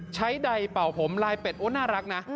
ใดเป่าผมลายเป็ดโอ้น่ารักนะ